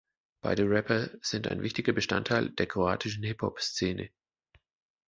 Beide Rapper sind ein wichtiger Bestandteil der kroatischen Hip Hop Szene.